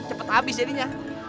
cepet habis jadinya